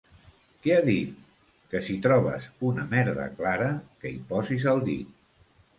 Què ha dit? —Que si trobes una merda clara que hi posis el dit.